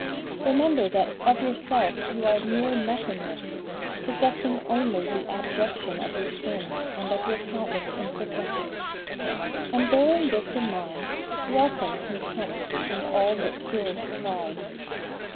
Remember that of yourself you are mere nothingness, possessing only the abjection of your sins and of your countless imperfections. And bearing this in mind, welcome contempt and all that kills pride.